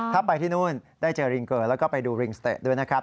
ถ้าไปที่นู่นได้เจอริงเกอร์แล้วก็ไปดูริงสเตจด้วยนะครับ